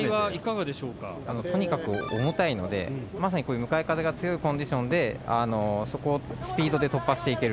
あのとにかく重たいのでまさにこういう向かい風が強いコンディションであのそこをスピードで突破していける。